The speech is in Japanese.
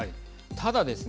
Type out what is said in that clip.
ただですね